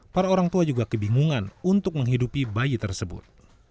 para orang tua juga kebingungan untuk menghidupi bayi tersebut